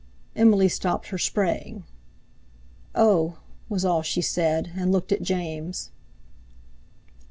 Emily stopped her spraying. "Oh!" was all she said, and looked at James.